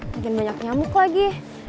lagian banyak nyamuk lagi